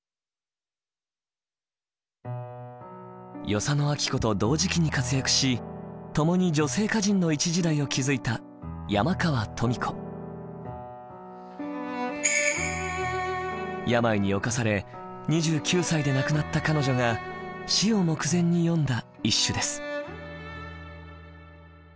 与謝野晶子と同時期に活躍し共に女性歌人の一時代を築いた病に侵され２９歳で亡くなった彼女が死を目前に詠んだ一首です。